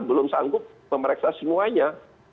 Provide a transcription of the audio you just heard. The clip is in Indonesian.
belum sanggup memeriksa semuanya